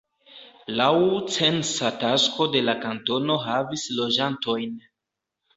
Laŭ censa takso de la kantono havis loĝantojn.